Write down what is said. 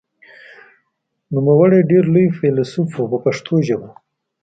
نوموړی ډېر لوی فیلسوف و په پښتو ژبه.